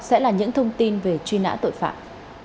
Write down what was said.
sẽ là những thông tin về truy nã tội phạm